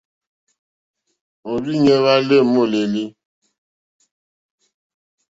Òrzìɲɛ́ hwá lê môlélí.